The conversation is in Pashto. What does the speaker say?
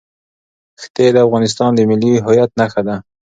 ښتې د افغانستان د ملي هویت نښه ده.